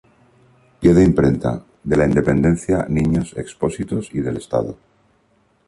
Pie de imprenta: de la Independencia, Niños Expósitos y del Estado.